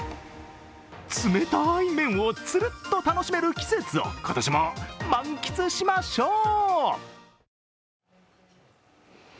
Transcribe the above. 冷たい麺をツルッと楽しめる季節を今年も満喫しましょう。